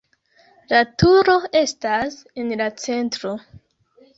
La turo estas en la centro.